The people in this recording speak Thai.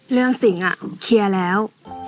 เรื่องสิงห์อ่ะเคลียร์แล้ว